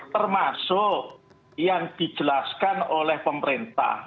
termasuk yang dijelaskan oleh pemerintah